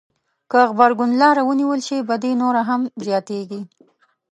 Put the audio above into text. که غبرګون لاره ونیول شي بدي نوره هم زياتېږي.